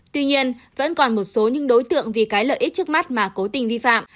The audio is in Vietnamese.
tuy nhiên vẫn còn một số những đối tượng vì cái lợi ích trước mắt mà cố tình vi phạm